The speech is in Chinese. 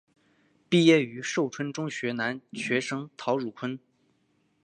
毕业于寿春中学男学生陶汝坤。